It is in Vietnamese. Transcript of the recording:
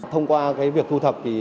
thông qua cái việc thu thập